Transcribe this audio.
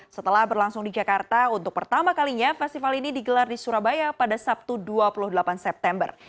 setelah berlangsung di jakarta untuk pertama kalinya festival ini digelar di surabaya pada sabtu dua puluh delapan september